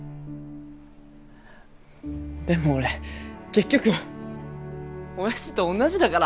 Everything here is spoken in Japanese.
でも俺結局おやじとおんなじだから。